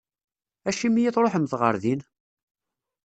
Acimi i tṛuḥemt ɣer din?